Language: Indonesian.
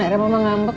akhirnya mama ngambek